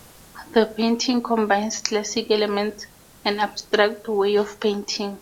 The painting combines classic elements and abstract way of painting.